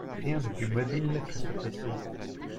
Rien de plus mobile que ce peuple.